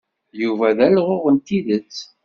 Yuba d alɣuɣ n tidet.